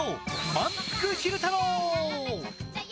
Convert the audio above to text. まんぷく昼太郎！